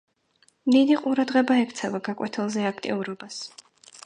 დიდი ყურადღება ექცევა გაკვეთილზე აქტიურობას.